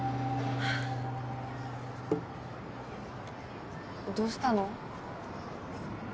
はあどうしたの？